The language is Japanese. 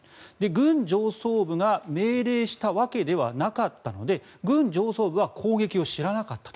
軍上層部が命令したわけではなかったので軍上層部は攻撃を知らなかった。